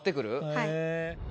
はい。